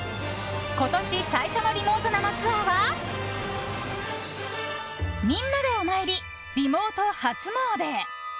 今年最初のリモート生ツアーはみんなでお参りリモート初詣。